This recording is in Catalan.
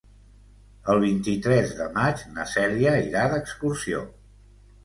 El vint-i-tres de maig na Cèlia irà d'excursió.